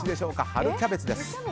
春キャベツです。